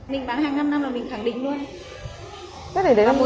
mình bán hàng năm năm là mình khẳng định luôn